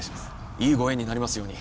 いいご縁になりますように